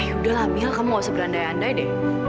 yaudahlah mil kamu gak usah berandai andai deh